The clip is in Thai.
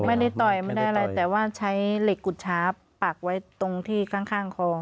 ไม่ได้ต่อใช่เหล็กกุจจ้าปักไว้ที่ข้างคอ